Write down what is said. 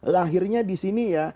lahirnya di sini ya